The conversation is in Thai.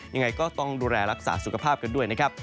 ยังไงก็ต้องดูแลรักษาสุขภาพกันด้วยนะครับ